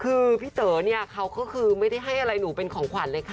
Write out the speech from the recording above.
คือพี่เต๋อเนี่ยเขาก็คือไม่ได้ให้อะไรหนูเป็นของขวัญเลยค่ะ